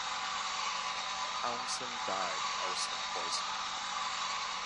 Townsend died of arsenic poisoning.